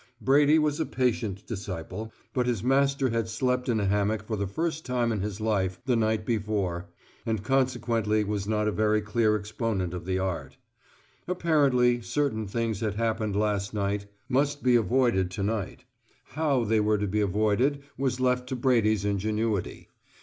Brady was a patient disciple, but his master had slept in a hammock for the first time in his life the night before and consequently was not a very clear exponent of the art. Apparently certain things that happened last night must be avoided to night; how they were to be avoided was left to Brady's ingenuity.